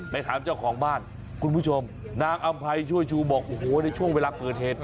ไปถามเจ้าของบ้านคุณผู้ชมนางอำภัยช่วยชูบอกโอ้โหในช่วงเวลาเกิดเหตุ